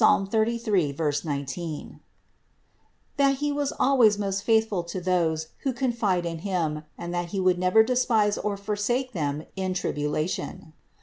33, 19) ; that He was al ways most faithful to those who confide in Him, and that He would never despise or forsake them in tribulation.